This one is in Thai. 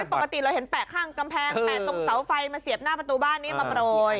ปกติเราเห็นแปะข้างกำแพงแปะตรงเสาไฟมาเสียบหน้าประตูบ้านนี้มาโปรย